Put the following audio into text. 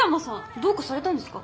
どうかされたんですか？